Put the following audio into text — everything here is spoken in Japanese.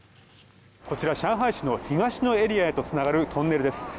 こちら、上海市の東のエリアへとつながるトンネルです。